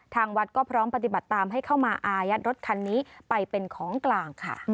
ทางวัดก็พร้อมปฏิบัติตามให้เข้ามาอายัดรถคันนี้ไปเป็นของกลางค่ะ